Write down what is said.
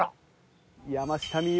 山下美夢